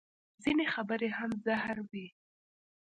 ځینې خبرې هم زهر وي